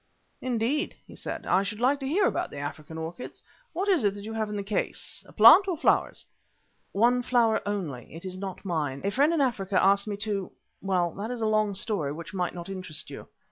"Indeed," he said. "I should like to hear about the African orchids. What is it you have in the case, a plant or flowers?" "One flower only. It is not mine. A friend in Africa asked me to well, that is a long story which might not interest you."